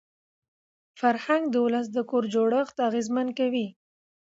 فرهنګ د ولس د کور جوړښت اغېزمن کوي.